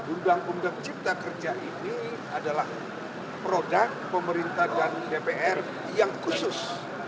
undang undang cipta kerja ini adalah produk pemerintah dan dpr yang khusus